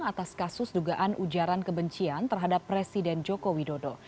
atas kasus dugaan ujaran kebencian terhadap presiden joko widodo